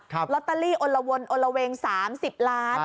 ครับลอตเตอรี่อละวนอละเวงสามสิบล้าน